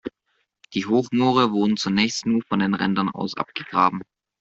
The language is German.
Die Hochmoore wurden zunächst nur von den Rändern aus abgegraben.